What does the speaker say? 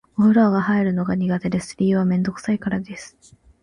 お風呂に入るのが苦手です。理由はめんどくさいからです。